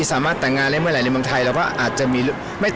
สามารถต่างงานในเมืองหลายในบางไทย